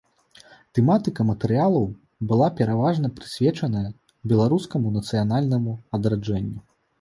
Тэматыка матэрыялаў была пераважна прысвечаная беларускаму нацыянальнаму адраджэнню.